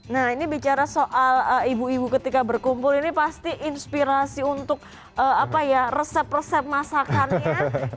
nah ini bicara soal ibu ibu ketika berkumpul ini pasti inspirasi untuk resep resep masakannya